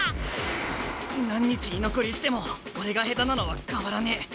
何日居残りしても俺が下手なのは変わらねえ。